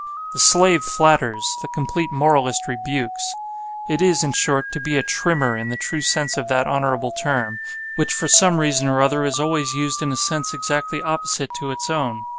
The slave flatters; the complete moralist rebukes. It is, in short, to be a Trimmer in the true sense of that honorable term; which for some reason or other is always used in a sense exactly opposite to its own.